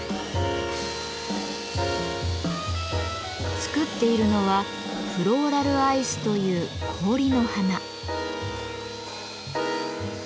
作っているのは「フローラルアイス」という氷の花。